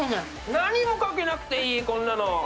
何もかけなくていい、こんなの。